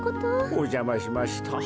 おじゃましました。